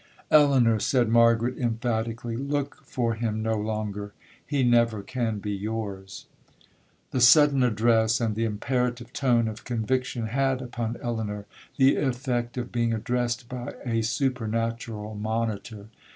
'Elinor,' said Margaret emphatically, 'look for him no longer,—he never can be yours!' 'The sudden address, and the imperative tone of conviction, had upon Elinor the effect of being addressed by a supernatural monitor.